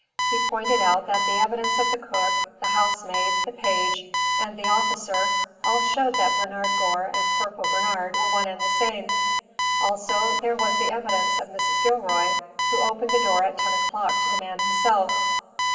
He pointed out that the evidence of the cook, the housemaid, the page and the officer all showed that Bernard Gore and Corporal Bernard were one and the same. Also there was the evidence of Mrs. Gilroy, who opened the door at ten o'clock to the man himself.